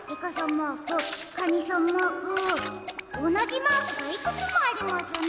マークおなじマークがいくつもありますね。